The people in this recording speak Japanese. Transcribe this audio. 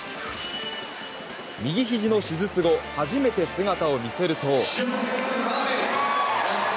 右ひじの手術後、初めて姿を見せると。